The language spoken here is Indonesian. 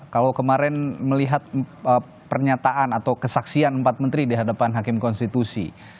kalau kemarin melihat pernyataan atau kesaksian empat menteri di hadapan hakim konstitusi